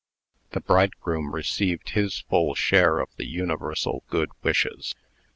The bridegroom received his full share of the universal good wishes.